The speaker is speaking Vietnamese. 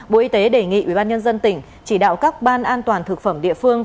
bộ y tế đề nghị ubnd tỉnh chỉ đạo các ban an toàn thực phẩm địa phương